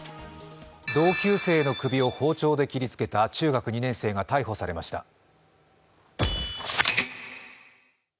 同級生の首を包丁で切りつけた中学２年生が逮捕されました。